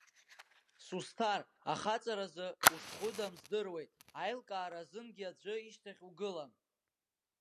Сусҭар, ахаҵаразы ушхәыдам здыруеит, аилкаара азынгьы аӡәы ишьҭахь угылам.